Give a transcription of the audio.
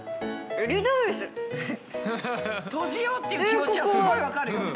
閉じようっていう気持ちはすごいわかるよね。